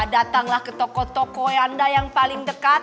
datanglah ke toko toko anda yang paling dekat